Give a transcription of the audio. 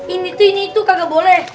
ini tuh ini tuh kagak boleh